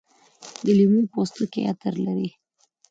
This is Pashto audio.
د لیمو پوستکي عطر لري.